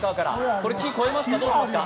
これ木越えますか、どうしますか？